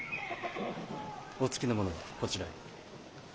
お付きの者はこちらへ。